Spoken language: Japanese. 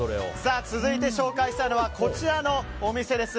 続いて紹介したいのはこちらのお店です。